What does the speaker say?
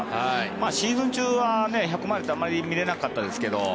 シーズン中は１００マイルってあまり見れなかったですけど